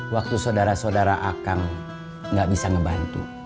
waktu saudara saudara akang gak bisa ngebantu